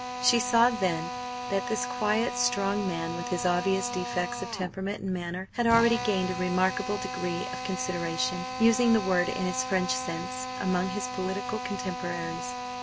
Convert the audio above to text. She saw then that this quiet, strong man, with his obvious defects of temperament and manner, had already gained a remarkable degree of "consideration," using the word in its French sense, among his political contemporaries.